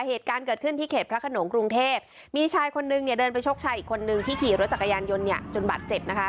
เหตุการณ์เกิดขึ้นที่เขตพระขนงกรุงเทพมีชายคนนึงเนี่ยเดินไปชกชายอีกคนนึงที่ขี่รถจักรยานยนต์เนี่ยจนบัตรเจ็บนะคะ